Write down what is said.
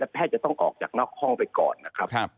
แพทย์จะต้องออกจากนอกห้องไปก่อนนะครับ